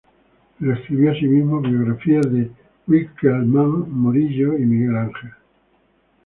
Pero escribió asimismo biografías de Winckelmann, Murillo y Miguel Ángel.